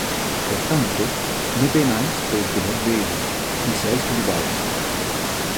Por tanto, no temáis por el temor de ellos, ni seáis turbados;